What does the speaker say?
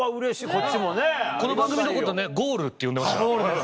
この番組のことねゴールって呼んでましたから。